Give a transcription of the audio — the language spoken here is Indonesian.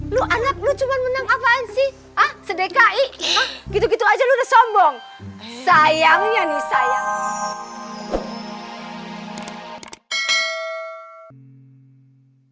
lu aneh lu cuma menang apaan sih ah sedekai gitu gitu aja udah sombong sayangnya nih sayang